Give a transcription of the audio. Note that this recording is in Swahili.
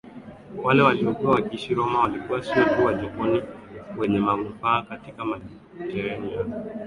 Wale waliokuwa wakiishi Roma walikuwa sio tu wajokoni wenye manufaa katika Mediteranean